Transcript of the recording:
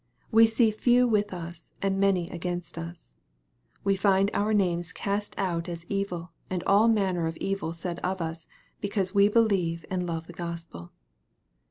We see few with us, and many against us. We find our names cast out as evil, and all manner of evil said of us, because we believe and love the Gospel.